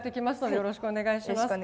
よろしくお願いします。